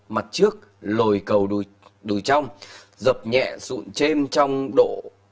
mặt trước lồi cầu đùi trong dập nhẹ sụn chêm trong độ một hai